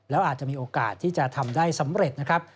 แล้วอาจจะมีโอกาสที่จะทำได้สำเร็จนะครับ